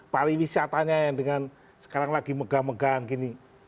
pali wisatanya yang sekarang lagi megah megahan gini